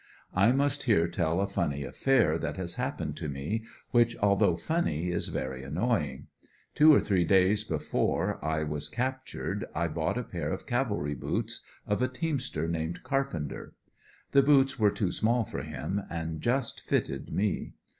I must here tell a funny affair that has happened to me, which, although funny is very annoying. Two or three days before I was captured I bought a pair of cavalry boots of a teamster named Carpenter. The boots were too small for him and just fitted me.